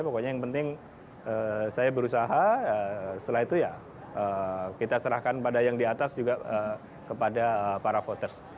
pokoknya yang penting saya berusaha setelah itu ya kita serahkan pada yang di atas juga kepada para voters